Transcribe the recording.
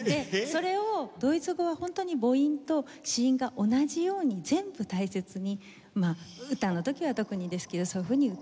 それをドイツ語はホントに母音と子音が同じように全部大切にまあ歌の時は特にですけどそういうふうに歌う。